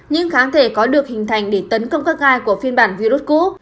những kháng thể có được hình thành để tấn công các gai của phiên bản virus cũ